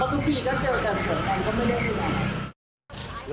เพราะทุกทีก็เจอกันส่วนกันก็ไม่ได้เรื่อง